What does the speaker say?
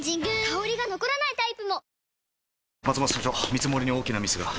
香りが残らないタイプも！